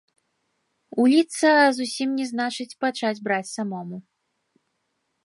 Уліцца, зусім не значыць пачаць браць самому.